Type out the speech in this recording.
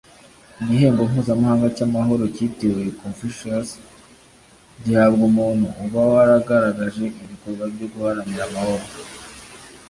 Igihembo Mpuzamahanga cy’Amahoro cyitiriwe Confucius (Confucius Peace Prize) gihabwa umuntu uba waragaragaje ibikorwa byo guharanira amahoro